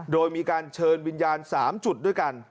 โดยมีการเชิญวิญญาณ๓จุดด้วยกัน